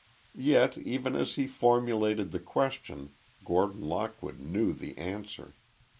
Yet, even as he formulated the question, Gordon Lockwood knew the answer.